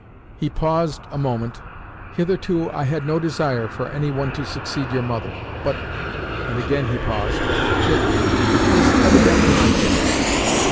He paused a moment. "Hitherto I had had no desire for any one to succeed your mother, but" and again he paused "it it is evidently my fate.